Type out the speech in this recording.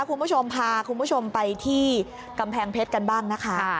คุณผู้ชมพาคุณผู้ชมไปที่กำแพงเพชรกันบ้างนะคะ